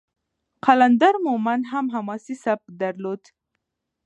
قلندر مومند هم حماسي سبک درلود.